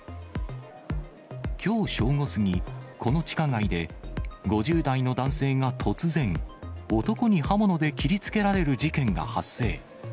きょう正午過ぎ、この地下街で、５０代の男性が突然、男に刃物で切りつけられる事件が発生。